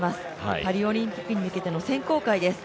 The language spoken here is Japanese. パリオリンピックに向けての選考会です。